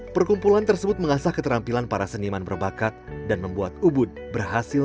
perkumpulan tersebut mengasah keterampilan para seniman berbakat dan membuat ubud berhasil